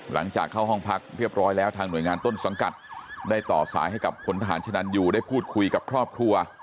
หลังจากเข้าห้องพักเรียบร้อยแล้วทางหน่วยงานต้นสังกัดได้ต่อสายให้กับพลทหารชนันยูได้พูดคุยกับครอบครัว